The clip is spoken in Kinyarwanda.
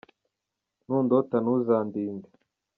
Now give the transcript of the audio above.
Nundota ntuzandinde